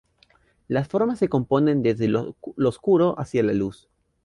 Las formas se componen desde lo oscuro hacia la luz.